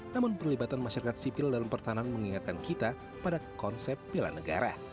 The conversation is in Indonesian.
namun perlibatan masyarakat sipil dalam pertahanan mengingatkan kita pada konsep bela negara